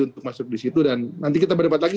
untuk masuk di situ dan nanti kita berdebat lagi